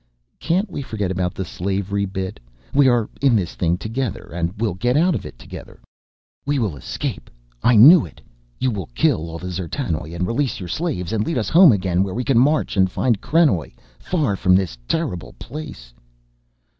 "Can't we forget about the slavery bit? We are in this thing together and we'll get out of it together." "We will escape, I knew it. You will kill all the D'zertanoj and release your slaves and lead us home again where we can march and find krenoj far from this terrible place."